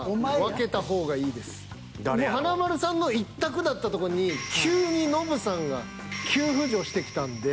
もう華丸さんの一択だったとこに急にノブさんが急浮上してきたんで。